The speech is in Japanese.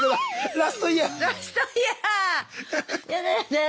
ラストイヤー！